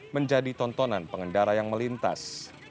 menjadi tontonan pengendara yang melintas